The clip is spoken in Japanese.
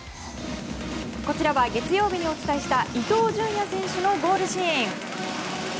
こちらは月曜日にお伝えした伊東純也選手のゴールシーン。